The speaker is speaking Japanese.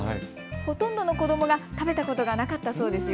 ほとんどの子どもが食べたことがなかったそうですよ。